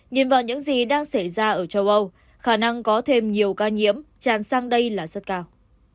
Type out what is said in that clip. nhìn vào những gì đang xảy ra ở châu âu khả năng có thêm nhiều ca nhiễm tràn sang đây là rất cao